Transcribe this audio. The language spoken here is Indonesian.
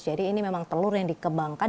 jadi ini memang telur yang dikebangkan